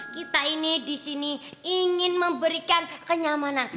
kita ini di sini ingin memberikan kenyamanan